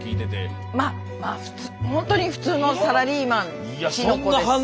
まあ普通ほんとに普通のサラリーマンちの子です。